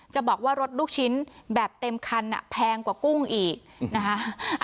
จะบอกว่ารถลูกชิ้นแบบเต็มคันแพงกว่ากุ้งอีกนะคะ